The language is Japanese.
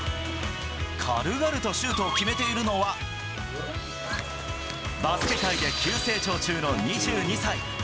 軽々とシュートを決めているのは、バスケ界で急成長中の２２歳。